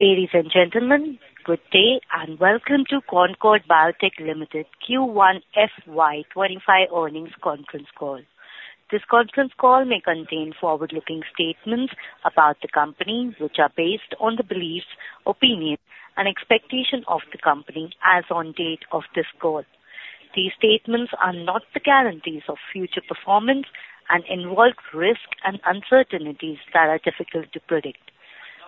Ladies and gentlemen, good day, and welcome to Concord Biotech Limited Q1 FY 2025 earnings conference call. This conference call may contain forward-looking statements about the company, which are based on the beliefs, opinions, and expectations of the company as on date of this call. These statements are not the guarantees of future performance and involve risks and uncertainties that are difficult to predict.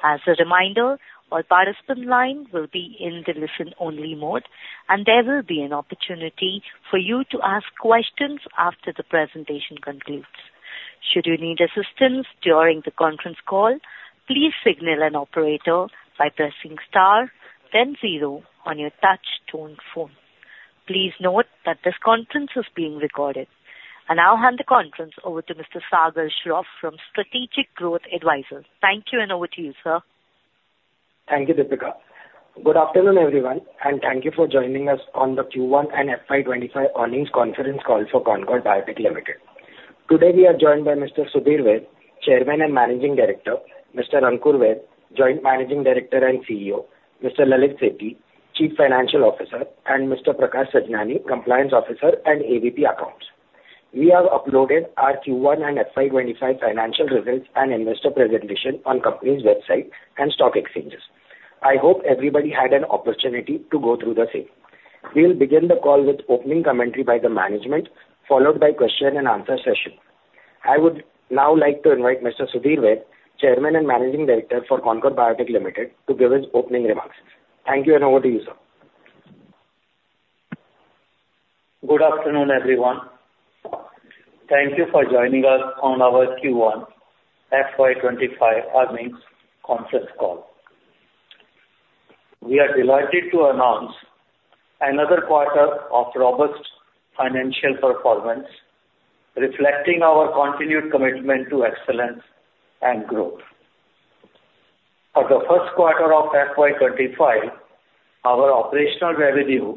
As a reminder, all participant lines will be in the listen-only mode, and there will be an opportunity for you to ask questions after the presentation concludes. Should you need assistance during the conference call, please signal an operator by pressing star then zero on your touch tone phone. Please note that this conference is being recorded. I now hand the conference over to Mr. Sagar Shroff from Strategic Growth Advisors. Thank you, and over to you, sir. Thank you, Deepika. Good afternoon, everyone, and thank you for joining us on the Q1 and FY 2025 earnings conference call for Concord Biotech Limited. Today, we are joined by Mr. Sudhir Vaid, Chairman and Managing Director, Mr. Ankur Vaid, Joint Managing Director and CEO, Mr. Lalit Sethi, Chief Financial Officer, and Mr. Prakash Sajnani, Compliance Officer and AVP Accounts. We have uploaded our Q1 and FY25 financial results and investor presentation on company's website and stock exchanges. I hope everybody had an opportunity to go through the same. We will begin the call with opening commentary by the management, followed by question and answer session. I would now like to invite Mr. Sudhir Vaid, Chairman and Managing Director for Concord Biotech Limited, to give his opening remarks. Thank you, and over to you, sir. Good afternoon, everyone. Thank you for joining us on our Q1 FY 2025 earnings conference call. We are delighted to announce another quarter of robust financial performance, reflecting our continued commitment to excellence and growth. For the first quarter of FY 2025, our operational revenue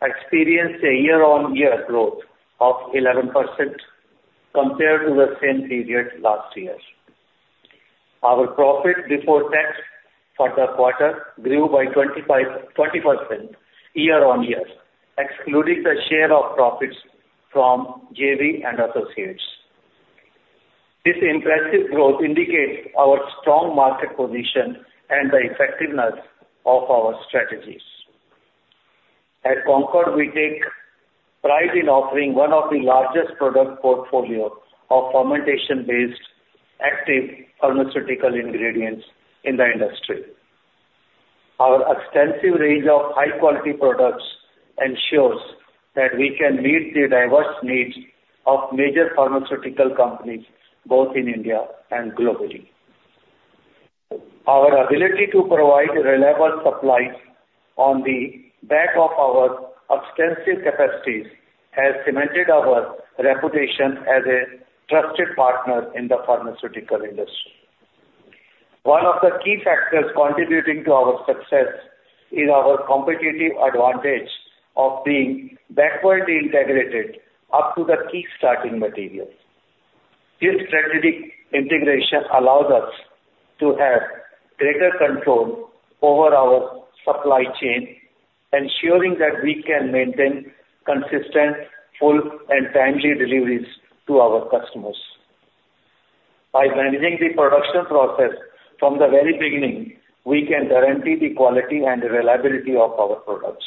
experienced a year-on-year growth of 11% compared to the same period last year. Our profit before tax for the quarter grew by 25, 20% year-on-year, excluding the share of profits from JV and associates. This impressive growth indicates our strong market position and the effectiveness of our strategies. At Concord, we take pride in offering one of the largest product portfolio of fermentation-based active pharmaceutical ingredients in the industry. Our extensive range of high-quality products ensures that we can meet the diverse needs of major pharmaceutical companies, both in India and globally. Our ability to provide reliable supplies on the back of our extensive capacities has cemented our reputation as a trusted partner in the pharmaceutical industry. One of the key factors contributing to our success is our competitive advantage of being backward integrated up to the key starting materials. This strategic integration allows us to have greater control over our supply chain, ensuring that we can maintain consistent, full, and timely deliveries to our customers. By managing the production process from the very beginning, we can guarantee the quality and reliability of our products.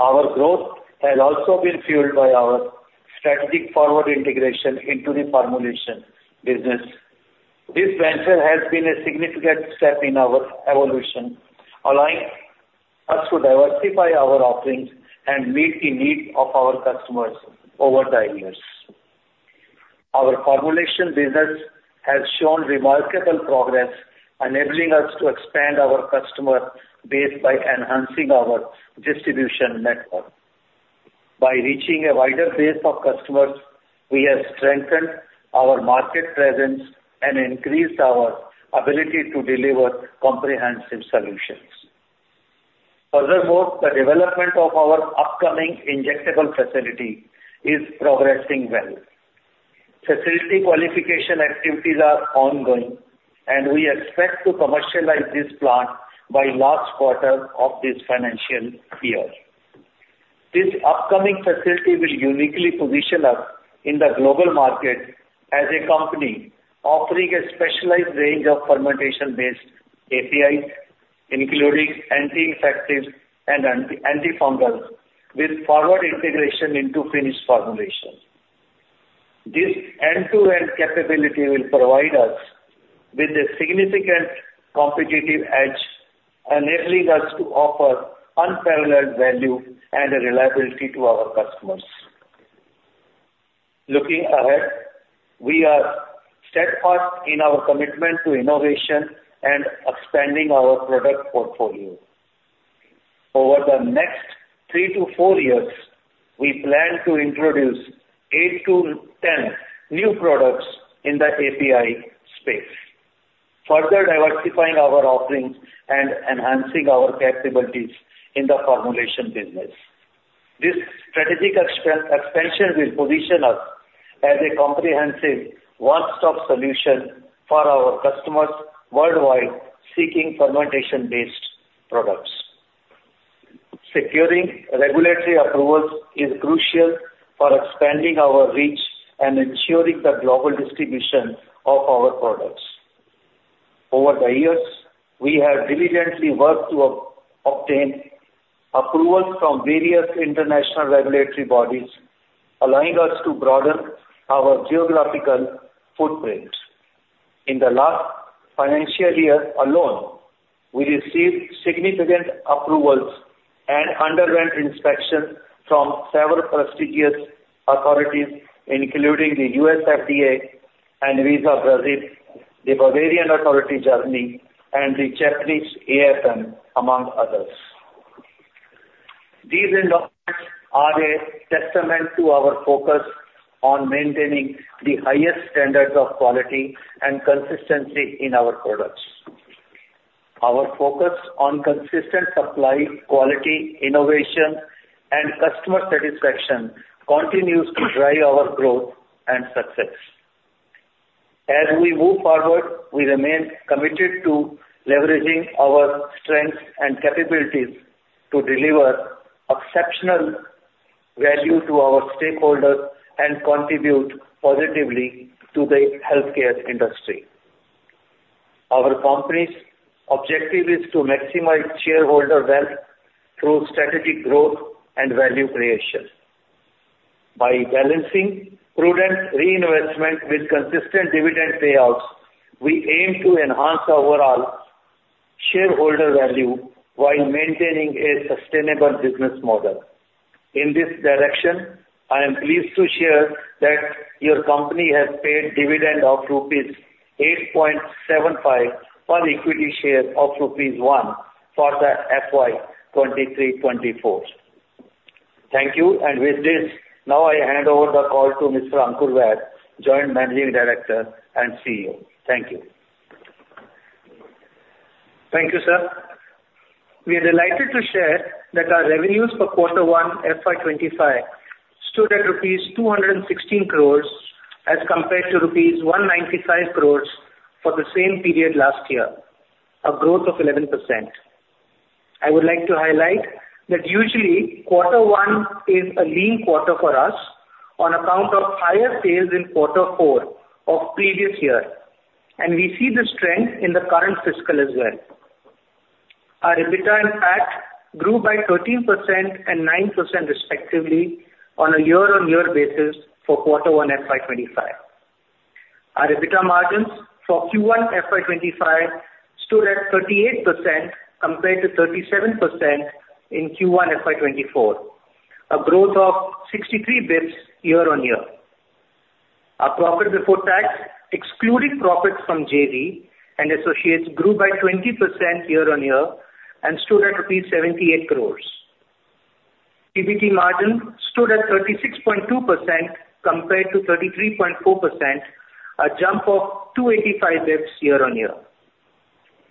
Our growth has also been fueled by our strategic forward integration into the formulation business. This venture has been a significant step in our evolution, allowing us to diversify our offerings and meet the needs of our customers over the years. Our formulation business has shown remarkable progress, enabling us to expand our customer base by enhancing our distribution network. By reaching a wider base of customers, we have strengthened our market presence and increased our ability to deliver comprehensive solutions. Furthermore, the development of our upcoming injectable facility is progressing well. Facility qualification activities are ongoing, and we expect to commercialize this plant by last quarter of this financial year. This upcoming facility will uniquely position us in the global market as a company offering a specialized range of fermentation-based APIs, including anti-infectives and anti-fungals, with forward integration into finished formulations. This end-to-end capability will provide us with a significant competitive edge, enabling us to offer unparalleled value and reliability to our customers. Looking ahead, we are steadfast in our commitment to innovation and expanding our product portfolio. Over the next three-four years, we plan to introduce eight-10 new products in the API space, further diversifying our offerings and enhancing our capabilities in the formulation business... This strategic expansion will position us as a comprehensive one-stop solution for our customers worldwide, seeking fermentation-based products. Securing regulatory approvals is crucial for expanding our reach and ensuring the global distribution of our products. Over the years, we have diligently worked to obtain approvals from various international regulatory bodies, allowing us to broaden our geographical footprint. In the last financial year alone, we received significant approvals and underwent inspection from several prestigious authorities, including the U.S. FDA, ANVISA Brazil, the Bavarian Authority, Germany, and the Japanese AFM, among others. These endorsements are a testament to our focus on maintaining the highest standards of quality and consistency in our products. Our focus on consistent supply, quality, innovation, and customer satisfaction continues to drive our growth and success. As we move forward, we remain committed to leveraging our strengths and capabilities to deliver exceptional value to our stakeholders and contribute positively to the healthcare industry. Our company's objective is to maximize shareholder wealth through strategic growth and value creation. By balancing prudent reinvestment with consistent dividend payouts, we aim to enhance overall shareholder value while maintaining a sustainable business model. In this direction, I am pleased to share that your company has paid dividend of rupees 8.75 per equity share of rupees 1 for the FY 2023-2024. Thank you, and with this, now I hand over the call to Mr. Ankur Vaid, Joint Managing Director and CEO. Thank you. Thank you, sir. We are delighted to share that our revenues for quarter one, FY 2025, stood at rupees 216 crore as compared to rupees 195 crore for the same period last year, a growth of 11%. I would like to highlight that usually quarter one is a lean quarter for us on account of higher sales in quarter four of previous year, and we see this trend in the current fiscal as well. Our EBITDA and PAT grew by 13% and 9% respectively on a year-on-year basis for quarter one, FY 2025. Our EBITDA margins for Q1 FY25 stood at 38% compared to 37% in Q1 FY 2024, a growth of 63 basis points year-on-year. Our profit before tax, excluding profits from JV and associates, grew by 20% year-on-year and stood at rupees 78 crore. PBT margin stood at 36.2% compared to 33.4%, a jump of 285 basis points year-on-year.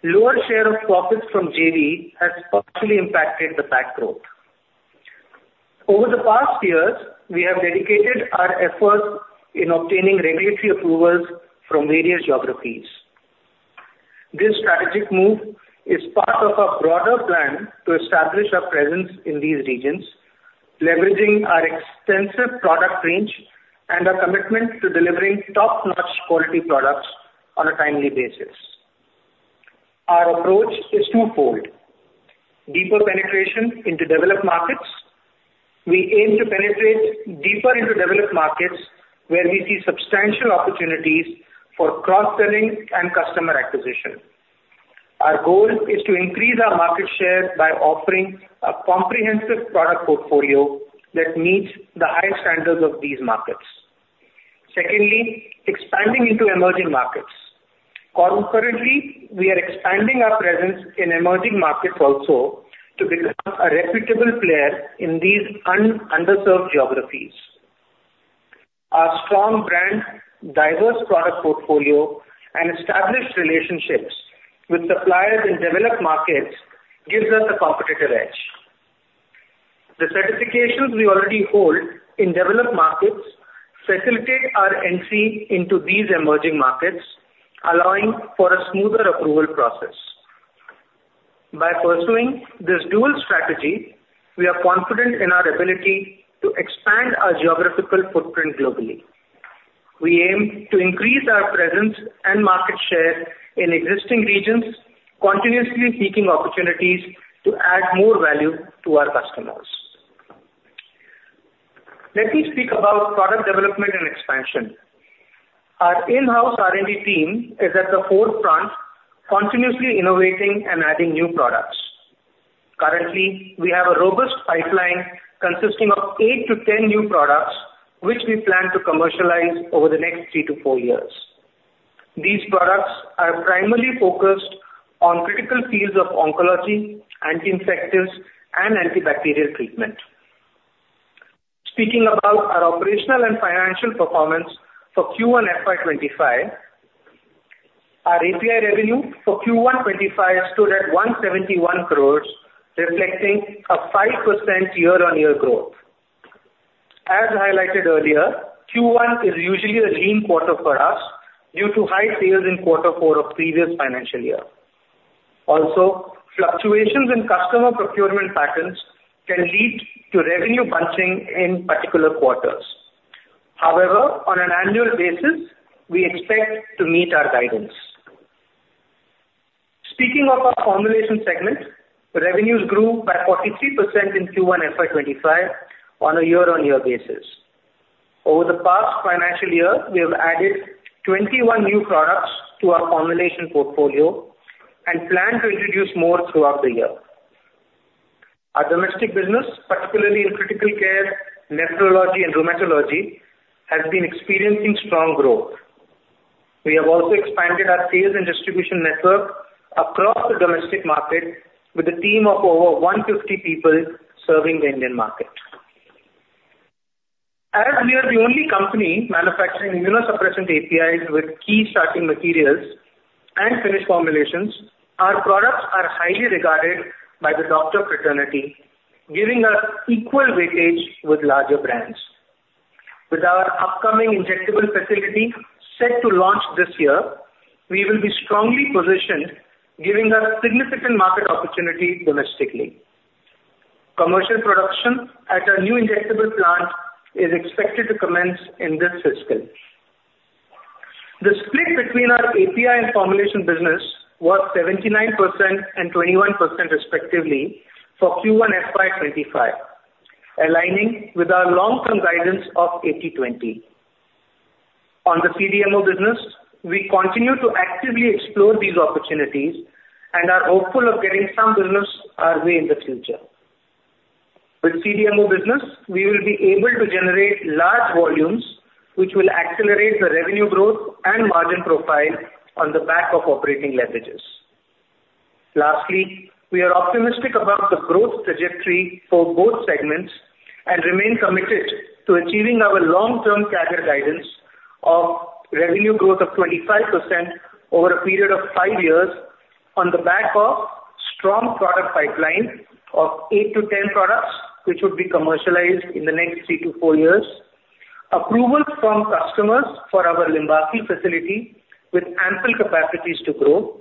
Lower share of profits from JV has partially impacted the PAT growth. Over the past years, we have dedicated our efforts in obtaining regulatory approvals from various geographies. This strategic move is part of our broader plan to establish our presence in these regions, leveraging our extensive product range and our commitment to delivering top-notch quality products on a timely basis. Our approach is twofold: deeper penetration into developed markets. We aim to penetrate deeper into developed markets, where we see substantial opportunities for cross-selling and customer acquisition. Our goal is to increase our market share by offering a comprehensive product portfolio that meets the high standards of these markets. Secondly, expanding into emerging markets. Concurrently, we are expanding our presence in emerging markets also to become a reputable player in these underserved geographies. Our strong brand, diverse product portfolio, and established relationships with suppliers in developed markets gives us a competitive edge. The certifications we already hold in developed markets facilitate our entry into these emerging markets, allowing for a smoother approval process. By pursuing this dual strategy, we are confident in our ability to expand our geographical footprint globally. We aim to increase our presence and market share in existing regions, continuously seeking opportunities to add more value to our customers. Let me speak about product development and expansion. Our in-house R&D team is at the forefront, continuously innovating and adding new products. Currently, we have a robust pipeline consisting of eight-10 new products, which we plan to commercialize over the next three-four years. These products are primarily focused on critical fields of oncology, anti-infectives, and antibacterial treatment. Speaking about our operational and financial performance for Q1 FY 2025. Our API revenue for Q1 2025 stood at 171 crore, reflecting a 5% year-on-year growth. As highlighted earlier, Q1 is usually a lean quarter for us due to high sales in quarter four of previous financial year. Also, fluctuations in customer procurement patterns can lead to revenue bunching in particular quarters. However, on an annual basis, we expect to meet our guidance. Speaking of our formulation segment, revenues grew by 43% in Q1 FY 2025 on a year-on-year basis. Over the past financial year, we have added 21 new products to our formulation portfolio and plan to introduce more throughout the year. Our domestic business, particularly in critical care, nephrology, and rheumatology, has been experiencing strong growth. We have also expanded our sales and distribution network across the domestic market, with a team of over 150 people serving the Indian market. As we are the only company manufacturing immunosuppressant APIs with key starting materials and finished formulations, our products are highly regarded by the doctor fraternity, giving us equal weightage with larger brands. With our upcoming injectable facility set to launch this year, we will be strongly positioned, giving us significant market opportunity domestically. Commercial production at our new injectable plant is expected to commence in this fiscal. The split between our API and formulation business was 79% and 21%, respectively, for Q1 FY 2025, aligning with our long-term guidance of 80/20. On the CDMO business, we continue to actively explore these opportunities and are hopeful of getting some business our way in the future. With CDMO business, we will be able to generate large volumes, which will accelerate the revenue growth and margin profile on the back of operating leverages. Lastly, we are optimistic about the growth trajectory for both segments and remain committed to achieving our long-term CAGR guidance of revenue growth of 25% over a period of five years, on the back of strong product pipeline of eight to ten products, which would be commercialized in the next three to four years, approval from customers for our Limbasi facility with ample capacities to grow,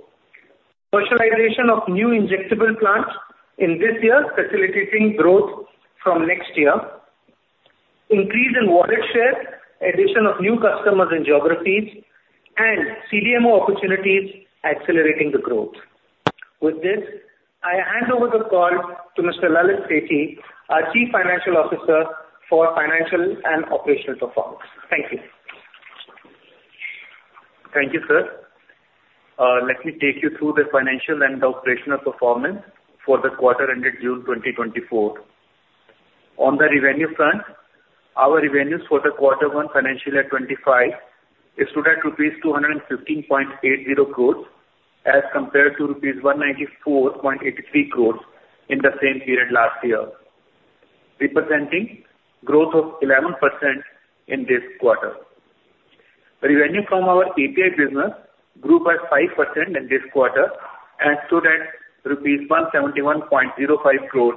commercialization of new injectable plants in this year, facilitating growth from next year, increase in wallet share, addition of new customers and geographies, and CDMO opportunities accelerating the growth. With this, I hand over the call to Mr. Lalit Sethi, our Chief Financial Officer, for financial and operational performance. Thank you. Thank you, sir. Let me take you through the financial and operational performance for the quarter ended June 2024. On the revenue front, our revenues for the quarter one financial year 2025, it stood at rupees 215.80 crore as compared to rupees 194.83 crore in the same period last year, representing growth of 11% in this quarter. Revenue from our API business grew by 5% in this quarter and stood at rupees 171.05 crore,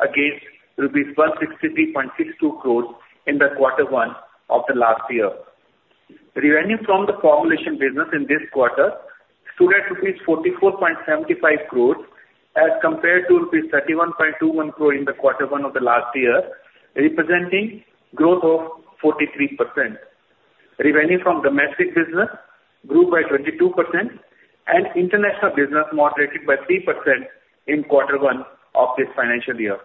against rupees 163.62 crore in the quarter one of the last year. Revenue from the formulation business in this quarter stood at rupees 44.75 crore, as compared to rupees 31.21 crore in the quarter one of the last year, representing growth of 43%. Revenue from domestic business grew by 22%, and international business moderated by 3% in quarter one of this financial year.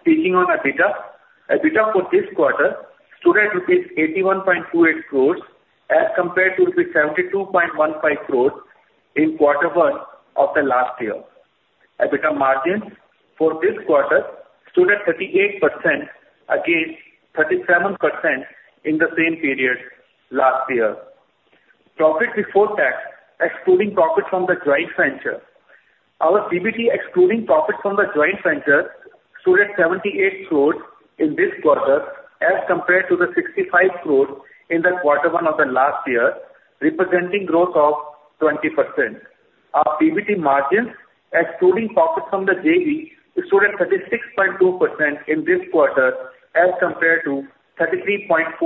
Speaking on EBITDA, EBITDA for this quarter stood at rupees 81.28 crore as compared to rupees 72.15 crore in quarter one of the last year. EBITDA margins for this quarter stood at 38% against 37% in the same period last year. Profit before tax, excluding profit from the joint venture, our PBT, excluding profit from the joint venture, stood at 78 crore in this quarter, as compared to 65 crore in quarter one of the last year, representing growth of 20%. Our PBT margins, excluding profit from the JV, it stood at 36.2% in this quarter, as compared to 33.4%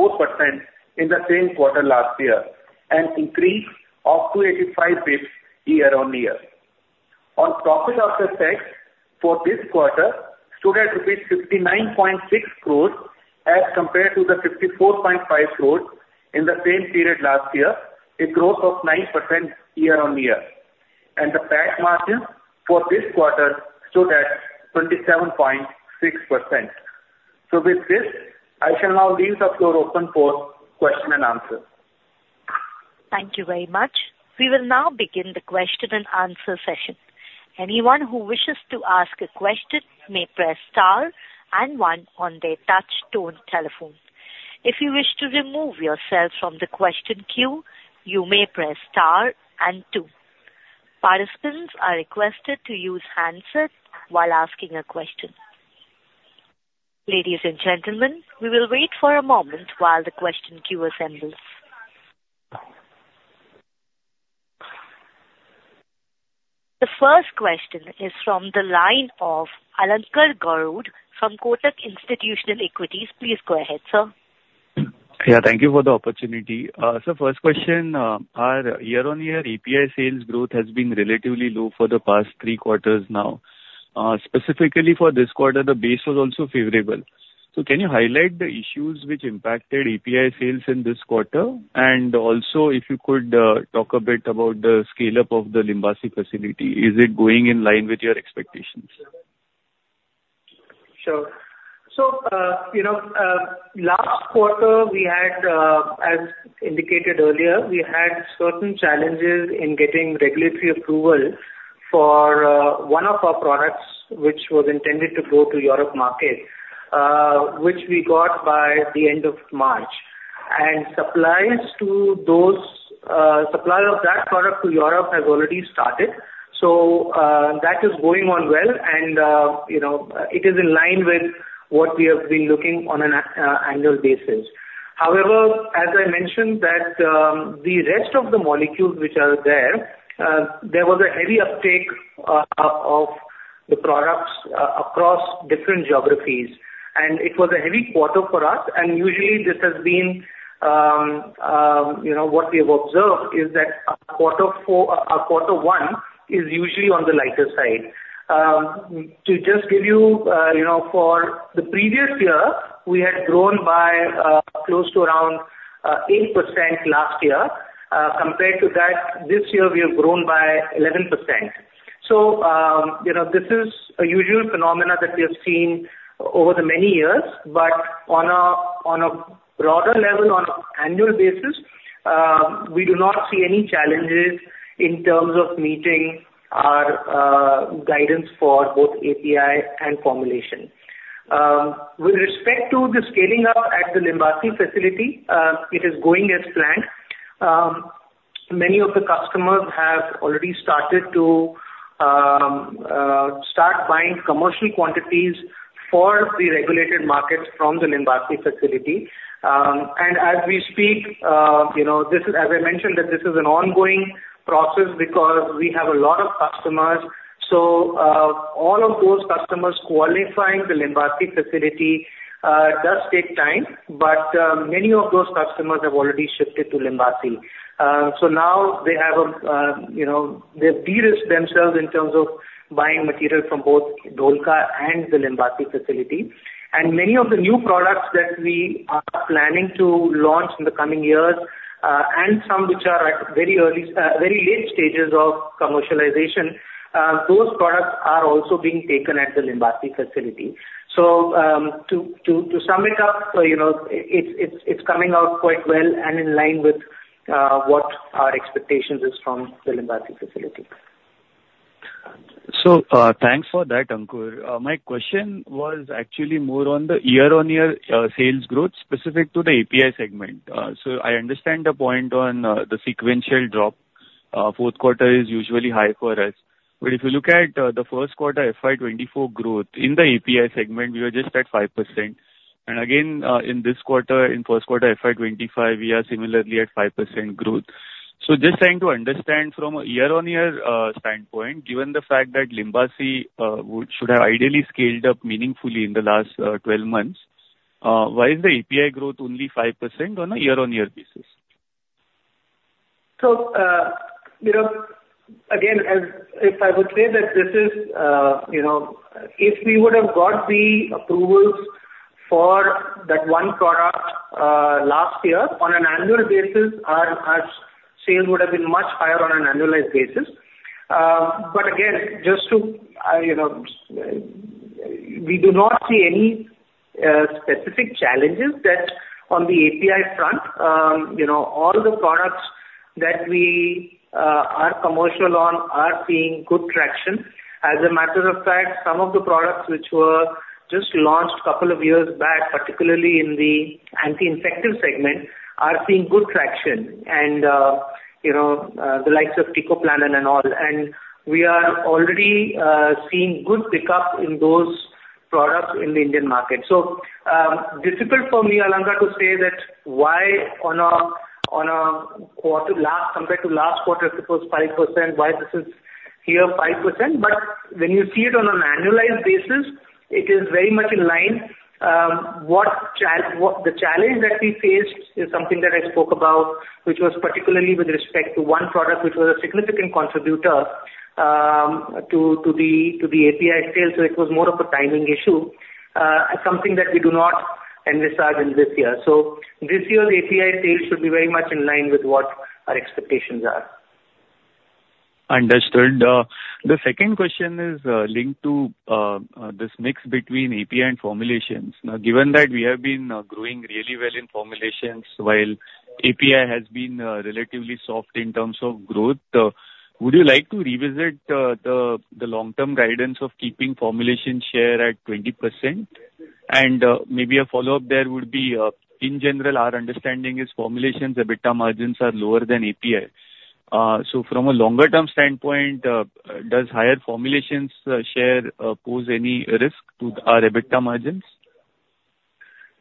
in the same quarter last year, an increase of 285 basis points year-on-year. Our profit after tax for this quarter stood at rupees 59.6 crore as compared to the 54.5 crore in the same period last year, a growth of 9% year-on-year, and the tax margin for this quarter stood at 27.6%. So with this, I shall now leave the floor open for question and answer. Thank you very much. We will now begin the question and answer session. Anyone who wishes to ask a question may press star and one on their touch tone telephone. If you wish to remove yourself from the question queue, you may press star and two. Partic`ipants are requested to use handset while asking a question... Ladies and gentlemen, we will wait for a moment while the question queue assembles. The first question is from the line of Alankar Garud, from Kotak Institutional Equities. Please go ahead, sir. Yeah, thank you for the opportunity. So first question, our year-on-year API sales growth has been relatively low for the past three quarters now. Specifically for this quarter, the base was also favorable. So can you highlight the issues which impacted API sales in this quarter? And also, if you could talk a bit about the scale-up of the Limbasi facility, is it going in line with your expectations? Sure. So, you know, last quarter, we had, as indicated earlier, we had certain challenges in getting regulatory approval for one of our products, which was intended to go to Europe market, which we got by the end of March. And supplies to those, supply of that product to Europe has already started. So, that is going on well, and, you know, it is in line with what we have been looking on an annual basis. However, as I mentioned that, the rest of the molecules which are there, there was a heavy uptake of the products across different geographies, and it was a heavy quarter for us. And usually, this has been, you know, what we have observed is that our quarter four-our quarter one is usually on the lighter side. To just give you, you know, for the previous year, we had grown by, close to around, 8% last year. Compared to that, this year we have grown by 11%. So, you know, this is a usual phenomena that we have seen over the many years, but on a broader level, on annual basis, we do not see any challenges in terms of meeting our, guidance for both API and formulation. With respect to the scaling up at the Limbasi facility, it is going as planned. Many of the customers have already started to start buying commercial quantities for the regulated markets from the Limbasi facility. And as we speak, you know, this is, as I mentioned, that this is an ongoing process because we have a lot of customers. So, all of those customers qualifying the Limbasi facility does take time, but many of those customers have already shifted to Limbasi. So now they have, you know, they've de-risked themselves in terms of buying material from both Dholka and the Limbasi facility. And many of the new products that we are planning to launch in the coming years, and some which are at very late stages of commercialization, those products are also being taken at the Limbasi facility. So, to sum it up, you know, it's coming out quite well and in line with what our expectations is from the Limbasi facility. So, thanks for that, Ankur. My question was actually more on the year-on-year, sales growth specific to the API segment. So I understand the point on the sequential drop. Fourth quarter is usually high for us. But if you look at the first quarter FY 2024 growth in the API segment, we were just at 5%. And again, in this quarter, in first quarter FY 2025, we are similarly at 5% growth. So just trying to understand from a year-on-year standpoint, given the fact that Limbasi should have ideally scaled up meaningfully in the last 12 months, why is the API growth only 5% on a year-on-year basis? So, you know, again, as if I would say that this is, you know, if we would have got the approvals for that one product, last year, on an annual basis, our, our sales would have been much higher on an annualized basis. But again, just to, I, you know, we do not see any, specific challenges that on the API front, you know, all the products that we, are commercial on are seeing good traction. As a matter of fact, some of the products which were just launched couple of years back, particularly in the anti-infective segment, are seeing good traction and, you know, the likes of teicoplanin and all. And we are already, seeing good pick-up in those products in the Indian market. So, difficult for me, Alankar, to say that why on a quarter last, compared to last quarter, it was 5%, why this is here 5%, but when you see it on an annualized basis, it is very much in line. The challenge that we faced is something that I spoke about, which was particularly with respect to one product, which was a significant contributor to the API sales, so it was more of a timing issue, something that we do not envisage in this year. So this year's API sales should be very much in line with what our expectations are. Understood. The second question is linked to this mix between API and formulations. Now, given that we have been growing really well in formulations, while API has been relatively soft in terms of growth, would you like to revisit the long-term guidance of keeping formulation share at 20%? And, maybe a follow-up there would be, in general, our understanding is formulations EBITDA margins are lower than API. So from a longer-term standpoint, does higher formulations share pose any risk to our EBITDA margins?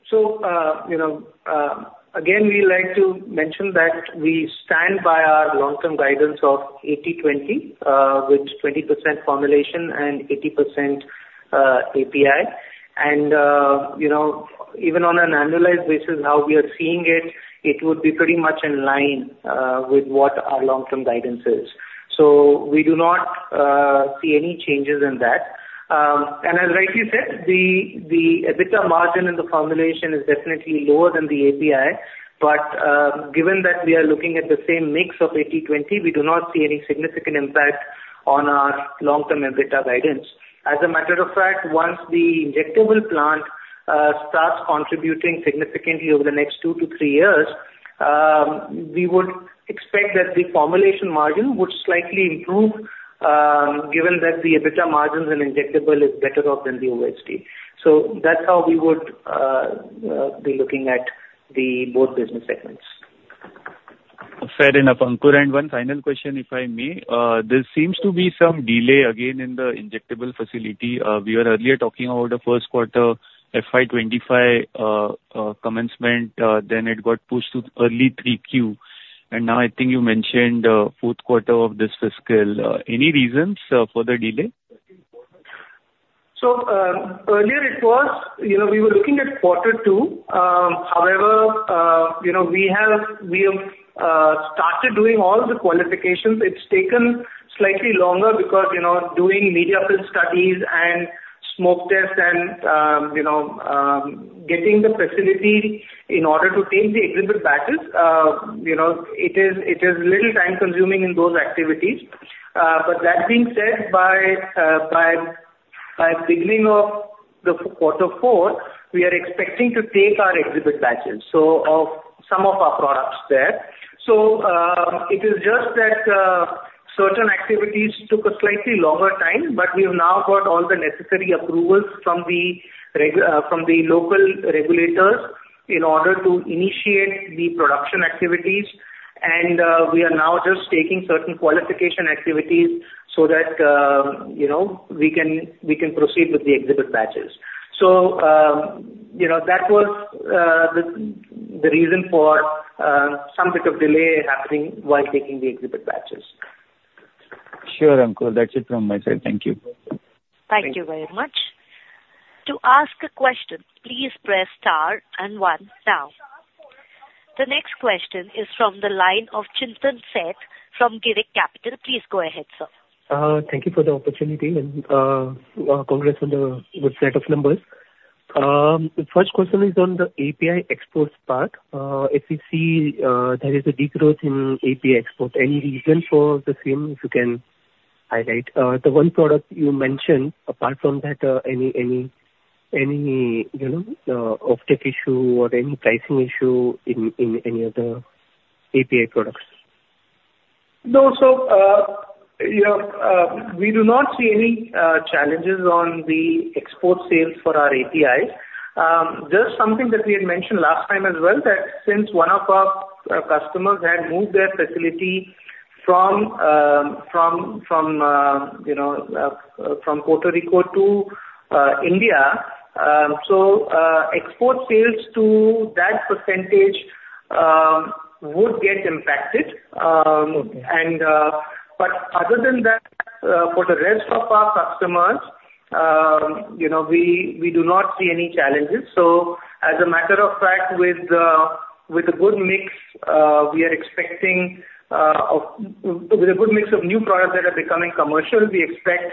So, you know, again, we like to mention that we stand by our long-term guidance of 80/20, with 20% formulation and 80%, API. And, you know, even on an annualized basis, how we are seeing it, it would be pretty much in line, with what our long-term guidance is. So we do not see any changes in that. And as rightly said, the EBITDA margin in the formulation is definitely lower than the API, but, given that we are looking at the same mix of 80/20, we do not see any significant impact on our long-term EBITDA guidance. As a matter of fact, once the injectable plant starts contributing significantly over the next two-three years, we would expect that the formulation margin would slightly improve, given that the EBITDA margins in injectable are better off than the OSD. So that's how we would be looking at the both business segments. Fair enough, Ankur. And one final question, if I may. There seems to be some delay again in the injectable facility. We are earlier talking about the first quarter FY 2025, commencement, then it got pushed to early 3Q. And now, I think you mentioned, fourth quarter of this fiscal. Any reasons for the delay? So, earlier it was, you know, we were looking at quarter two. However, you know, we have, we have, started doing all the qualifications. It's taken slightly longer because, you know, doing media fill studies and smoke tests and, you know, getting the facility in order to take the exhibit batches, you know, it is, it is a little time-consuming in those activities. But that being said, by, by, by beginning of the quarter four, we are expecting to take our exhibit batches, so, of some of our products there. So, it is just that, certain activities took a slightly longer time, but we have now got all the necessary approvals from the local regulators in order to initiate the production activities. We are now just taking certain qualification activities so that, you know, we can proceed with the exhibit batches. You know, that was the reason for some bit of delay happening while taking the exhibit batches. Sure, Ankur. That's it from my side. Thank you. Thank you very much. To ask a question, please press star and one now. The next question is from the line of Chintan Sheth from Dolat Capital. Please go ahead, sir. Thank you for the opportunity and, congrats on the good set of numbers. The first question is on the API exports part. If you see, there is a decrease in API export. Any reason for the same, if you can highlight? The one product you mentioned, apart from that, any, you know, off-take issue or any pricing issue in any other API products? No. So, you know, we do not see any challenges on the export sales for our APIs. Just something that we had mentioned last time as well, that since one of our customers had moved their facility from Puerto Rico to India, so export sales to that percentage would get impacted. Okay. But other than that, for the rest of our customers, you know, we do not see any challenges. So, as a matter of fact, with a good mix, we are expecting, with a good mix of new products that are becoming commercial, we expect,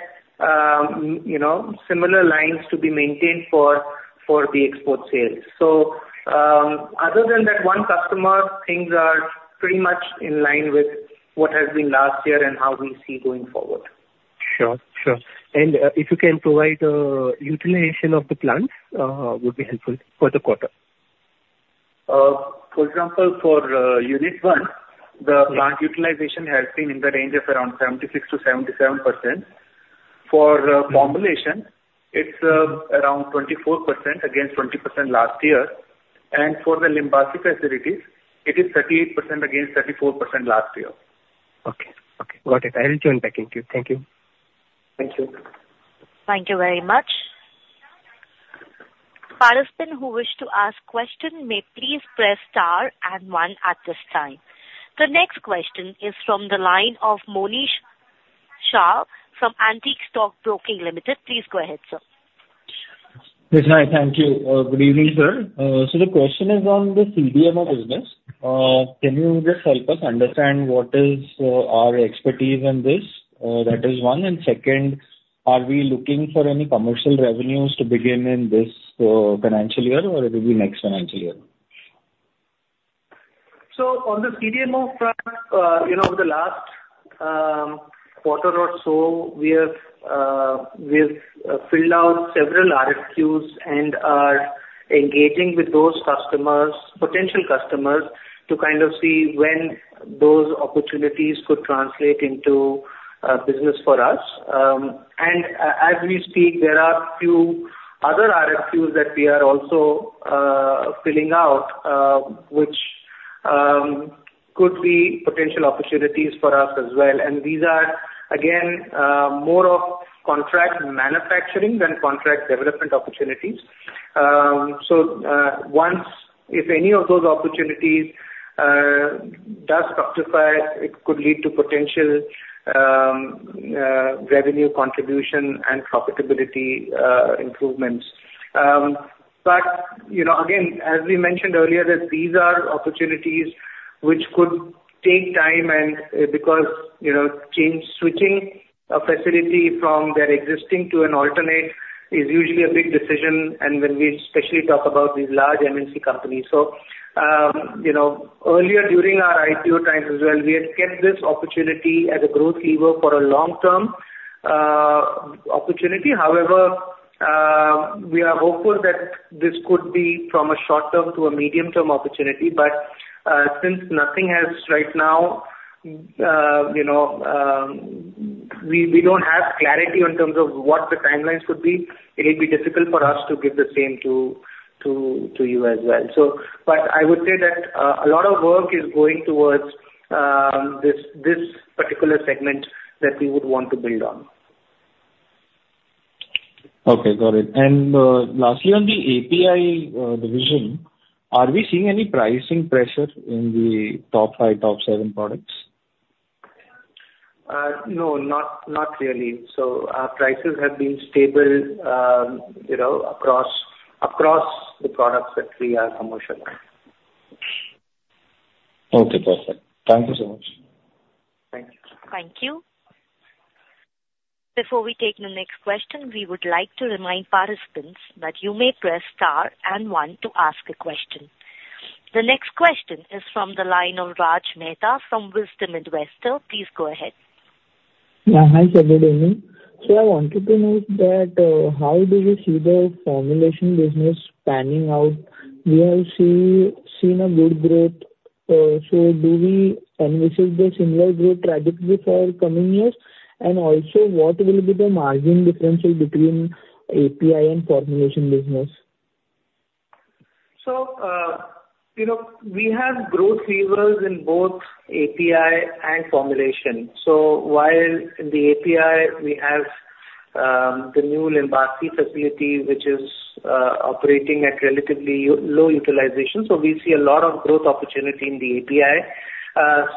you know, similar lines to be maintained for the export sales. So, other than that one customer, things are pretty much in line with what has been last year and how we see going forward. Sure. Sure. And, if you can provide utilization of the plants, would be helpful for the quarter. For example, for Unit 1, the plant utilization has been in the range of around 76%-77%. For formulations, it's around 24%, against 20% last year. And for the Limbasi facilities, it is 38%, against 34% last year. Okay. Okay, got it. I will join back into you. Thank you. Thank you. Thank you very much. Participants who wish to ask question may please press star and one at this time. The next question is from the line of Monish Shah, from Antique Stock Broking Limited. Please go ahead, sir. Yes, hi. Thank you. Good evening, sir. So the question is on the CDMO business. Can you just help us understand what is our expertise in this? That is one. And second, are we looking for any commercial revenues to begin in this financial year, or it will be next financial year? So on the CDMO front, you know, over the last quarter or so, we have filled out several RFQs and are engaging with those customers, potential customers, to kind of see when those opportunities could translate into business for us. And as we speak, there are few other RFQs that we are also filling out, which could be potential opportunities for us as well. And these are, again, more of contract manufacturing than contract development opportunities. So once, if any of those opportunities does fructify, it could lead to potential revenue contribution and profitability improvements. But, you know, again, as we mentioned earlier, that these are opportunities which could take time and, because, you know, change switching a facility from their existing to an alternate is usually a big decision, and when we especially talk about these large MNC companies. So, you know, earlier during our IPO times as well, we had kept this opportunity as a growth lever for a long-term opportunity. However, we are hopeful that this could be from a short-term to a medium-term opportunity, but, since nothing has right now, we don't have clarity in terms of what the timelines would be, it'll be difficult for us to give the same to you as well. So but I would say that a lot of work is going towards this, this particular segment that we would want to build on. Okay, got it. And, lastly, on the API, division, are we seeing any pricing pressure in the top five, top seven products? No, not really. So our prices have been stable, you know, across the products that we are commercializing. Okay, perfect. Thank you so much. Thank you. Thank you. Before we take the next question, we would like to remind participants that you may press star and one to ask a question. The next question is from the line of Raj Mehta from Wisdom Investor. Please go ahead. Yeah, hi, sir, good evening. So I wanted to know that, how do you see the formulation business panning out? We have seen a good growth, so do we, and this is the similar growth trajectory for coming years, and also, what will be the margin differential between API and formulation business? So, you know, we have growth levers in both API and formulation. So while in the API, we have the new Limbasi facility, which is operating at relatively low utilization, so we see a lot of growth opportunity in the API.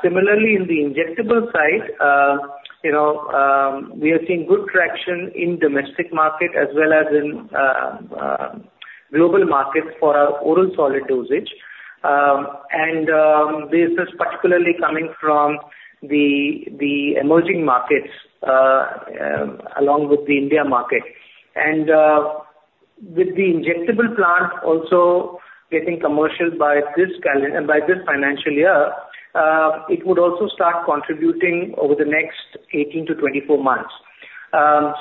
Similarly, in the injectable side, you know, we are seeing good traction in domestic market as well as in global markets for our oral solid dosage. And this is particularly coming from the emerging markets along with the India market. And with the injectable plant also getting commercial by this by this financial year, it would also start contributing over the next 18-24 months.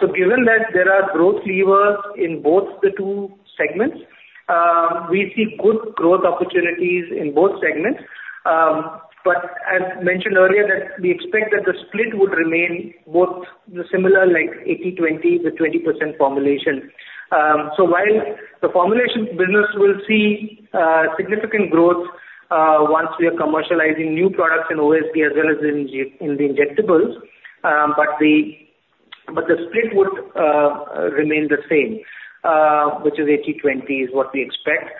So given that there are growth levers in both the two segments, we see good growth opportunities in both segments. But as mentioned earlier, that we expect that the split would remain both similar, like 80/20, with 20% formulation. So while the formulation business will see significant growth once we are commercializing new products in OSD as well as in the injectables, but the split would remain the same, which is 80/20, is what we expect.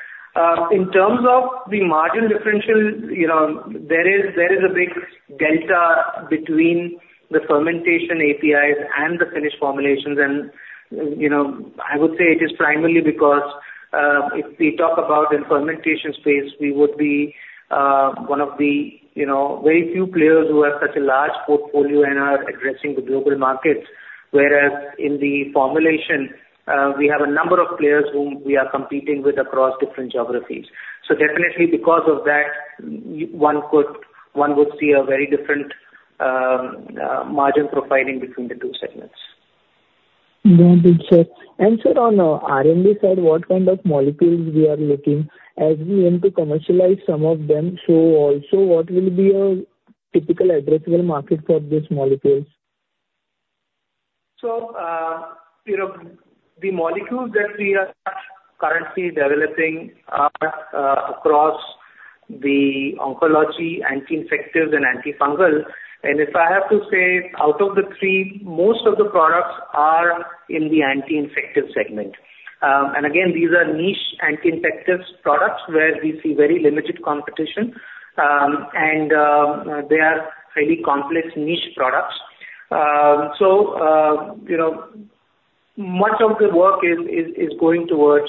In terms of the margin differential, you know, there is a big delta between the fermentation APIs and the finished formulations. And, you know, I would say it is primarily because if we talk about in fermentation space, we would be one of the very few players who have such a large portfolio and are addressing the global markets. Whereas in the formulation, we have a number of players whom we are competing with across different geographies. So definitely, because of that, one could, one would see a very different, margin profiling between the two segments. Got it, sir. Sir, on R&D side, what kind of molecules we are looking as we aim to commercialize some of them? Also, what will be a typical addressable market for these molecules? So, you know, the molecules that we are currently developing are across the oncology, anti-infectives, and antifungal. And if I have to say, out of the three, most of the products are in the anti-infective segment. And again, these are niche anti-infectives products, where we see very limited competition, and they are highly complex niche products. So, you know, much of the work is going towards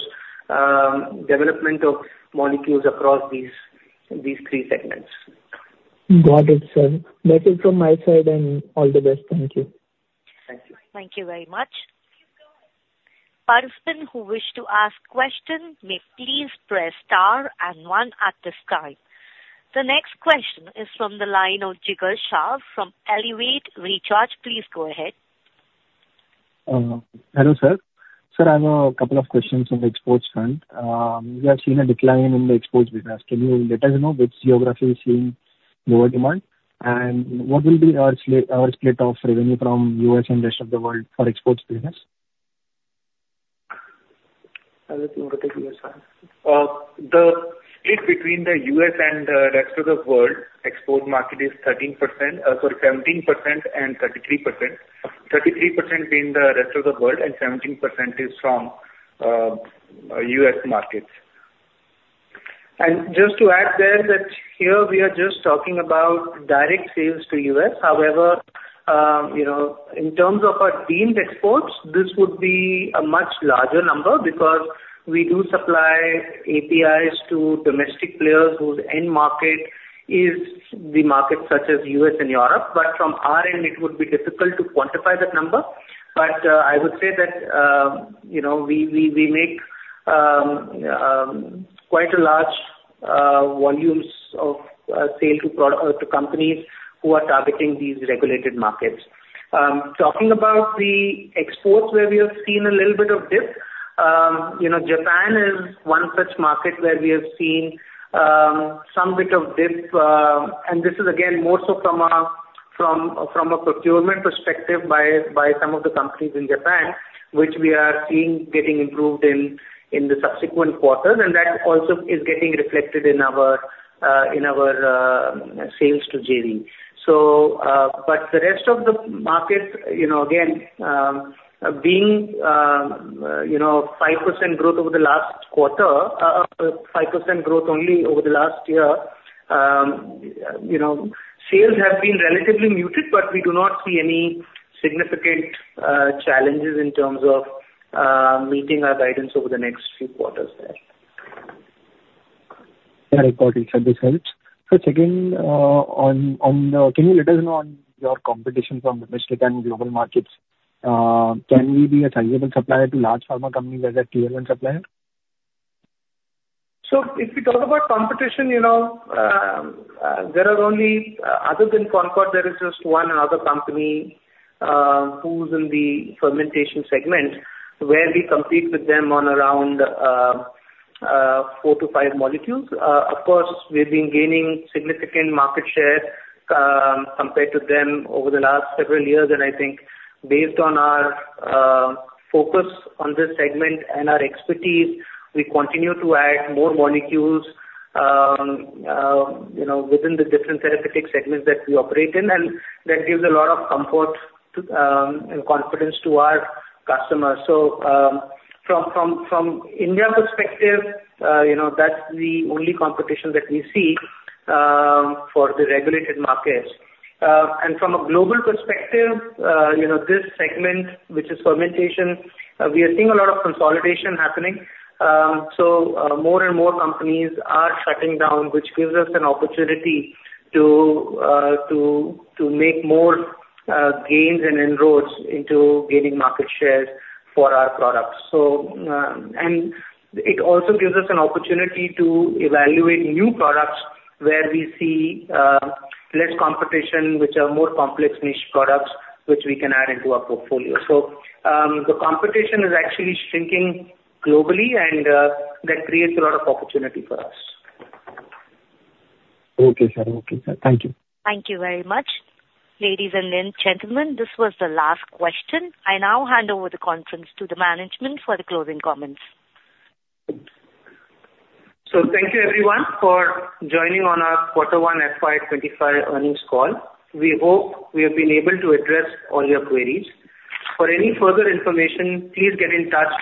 development of molecules across these three segments. Got it, sir. That is from my side and all the best. Thank you. Thank you. Thank you very much. Participants who wish to ask questions may please press star and one at this time. The next question is from the line of Jigar Shah from Elevate Research. Please go ahead. Hello, sir. Sir, I have a couple of questions on the exports front. We have seen a decline in the exports business. Can you let us know which geography is seeing lower demand? And what will be our split of revenue from U.S. and rest of the world for exports business?... The split between the U.S. and rest of the world export market is 13%, sorry, 17% and 33%. 33% in the rest of the world, and 17% is from US markets. And just to add there, that here we are just talking about direct sales to U.S. However, you know, in terms of our deemed exports, this would be a much larger number because we do supply APIs to domestic players whose end market is the market such as U.S. and Europe. But from our end, it would be difficult to quantify that number. But, I would say that, you know, we, we, we make quite a large volumes of sale to prod- to companies who are targeting these regulated markets. Talking about the exports, where we have seen a little bit of dip, you know, Japan is one such market where we have seen some bit of dip. And this is again more so from a procurement perspective by some of the companies in Japan, which we are seeing getting improved in the subsequent quarters. And that also is getting reflected in our sales to JV. So, but the rest of the markets, you know, again being you know 5% growth over the last quarter, 5% growth only over the last year, you know, sales have been relatively muted, but we do not see any significant challenges in terms of meeting our guidance over the next few quarters there. Yeah, I got it. So this helps. So second, on, can you let us know on your competition from domestic and global markets? Can we be a sizable supplier to large pharma companies as a tier one supplier? So if we talk about competition, you know, there are only, other than Concord, there is just one other company, who's in the fermentation segment, where we compete with them on around, four-five molecules. Of course, we've been gaining significant market share, compared to them over the last several years, and I think based on our, focus on this segment and our expertise, we continue to add more molecules, you know, within the different therapeutic segments that we operate in, and that gives a lot of comfort to, and confidence to our customers. So, from India perspective, you know, that's the only competition that we see, for the regulated markets. And from a global perspective, you know, this segment, which is fermentation, we are seeing a lot of consolidation happening. So, more and more companies are shutting down, which gives us an opportunity to make more gains and inroads into gaining market share for our products. So, and it also gives us an opportunity to evaluate new products where we see less competition, which are more complex niche products, which we can add into our portfolio. So, the competition is actually shrinking globally, and that creates a lot of opportunity for us. Okay, sir. Okay, sir. Thank you. Thank you very much. Ladies and then gentlemen, this was the last question. I now hand over the conference to the management for the closing comments. Thank you, everyone, for joining on our Quarter one FY 2025 earnings call. We hope we have been able to address all your queries. For any further information, please get in touch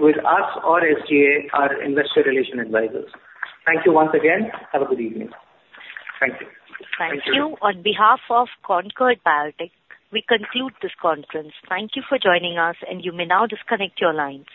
with us or SGA, our investor relations advisors. Thank you once again. Have a good evening. Thank you. Thank you. On behalf of Concord Biotech, we conclude this conference. Thank you for joining us, and you may now disconnect your lines.